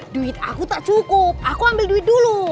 duit aku tak cukup aku ambil duit dulu